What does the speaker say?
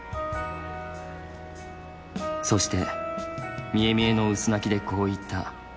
「そして見え見えの嘘泣きでこう言った。